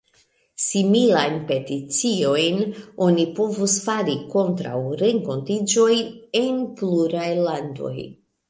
Similajn peticiojn oni povus fari kontraŭ renkontiĝoj en pluraj landoj.